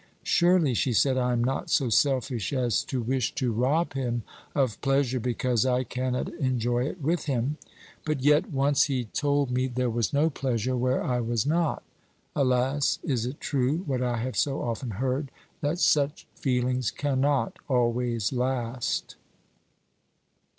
"Surely," she said, "I am not so selfish as to wish to rob him of pleasure because I cannot enjoy it with him. But yet, once he told me there was no pleasure where I was not. Alas! is it true, what I have so often heard, that such feelings cannot always last?"